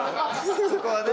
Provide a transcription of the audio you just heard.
そこはね。